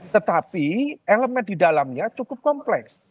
tetapi elemen di dalamnya cukup kompleks